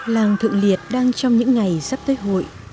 làng thượng liệt đang trong những ngày sắp tới hội